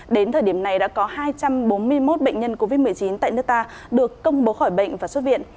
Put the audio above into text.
đến thời điểm này đã có hai trăm bốn mươi một bệnh nhân covid một mươi chín tại nước ta được công bố khỏi bệnh và xuất viện